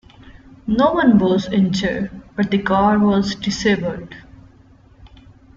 No one was injured, but the car was disabled.